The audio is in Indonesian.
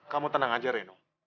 kamu tenang aja reno